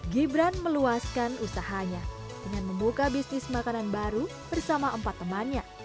gibran meluaskan usahanya dengan membuka bisnis makanan baru bersama empat temannya